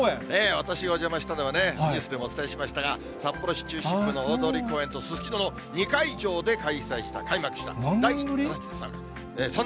私がお邪魔したのは、ニュースでもお伝えしましたが、札幌市中心部の大通公園とすすきのの２会場で開幕した第７３回。